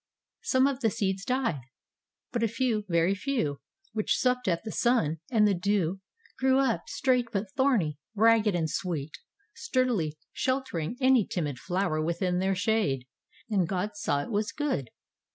Some of the seeds died, but a few, very few, which supped of the sun and the dew, grew up, straight but thorny, ragged and sweet, sturdily sheltering any timid flower within their shade. And God saw it was good.